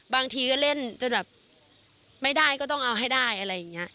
บางทีก็เล่นจนแบบไม่ได้ก็ต้องเอาให้ได้อะไรอย่างนี้